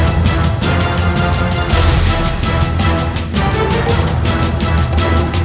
menjijikkan seseorang ketika ini